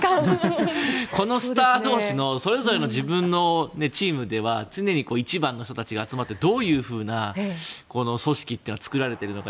このスター同士のそれぞれの自分のチームでは常に一番の人たちが集まってどういうふうなこの組織というのは作られているのか。